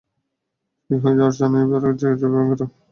কি হয়েছে আর্চনা, এই বার যে ব্যাংকে টাকা কম জমা লি?